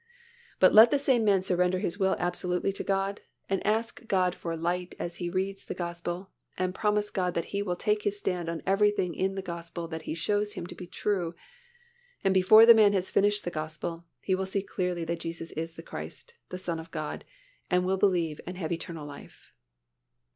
But let the same man surrender his will absolutely to God and ask God for light as he reads the Gospel and promise God that he will take his stand on everything in the Gospel that He shows him to be true and before the man has finished the Gospel he will see clearly that Jesus is the Christ, the Son of God, and will believe and have eternal life.